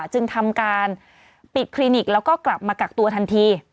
จึงทำการปิดคลินิกแล้วก็กลับมากักตัวทันที